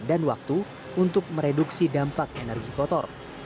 dan waktu untuk mereduksi dampak energi kotor